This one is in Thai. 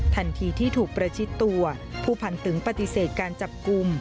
ทันทีที่ถูกประชิดตัวผู้พันตึงปฏิเสธการจับกลุ่ม